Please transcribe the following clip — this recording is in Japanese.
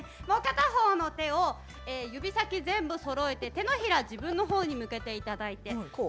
もう片方の手を指先全部そろえて手のひら、自分のほうに向けていただいて。